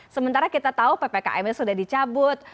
sementara kita tahu ppkm nya sudah dicabut